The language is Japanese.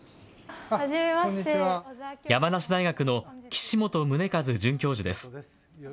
山梨大学の岸本宗和准教授です。